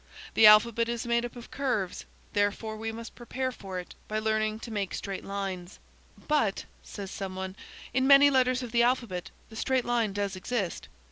The alphabet is made up of curves, therefore we must prepare for it by learning to make straight lines. "But," says someone, "in many letters of the alphabet, the straight line does exist."